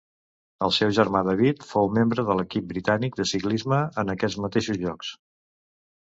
El seu germà David fou membre de l'equip britànic de ciclisme en aquests mateixos Jocs.